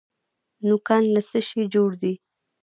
نوکان له څه شي جوړ دي؟